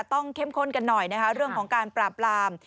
ต้องเข้มข้นกันหน่อยเรื่องของการปราบราม